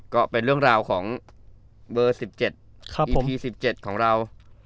ก็เป็นเรื่องราวของเบอร์๑๗๖๑๗ของเรา